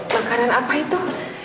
makanan apa itu